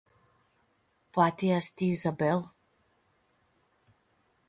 Poati easti Izabel.